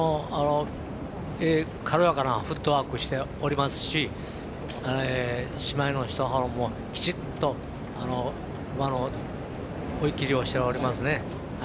軽やかなフットワークをしておりますしきちっと追い切りをしておりますね。